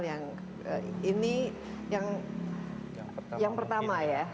yang ini yang pertama ya